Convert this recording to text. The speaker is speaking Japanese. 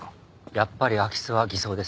やっぱり空き巣は偽装です。